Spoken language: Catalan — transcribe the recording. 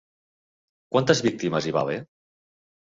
Quantes víctimes hi va haver?